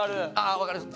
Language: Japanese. わかります。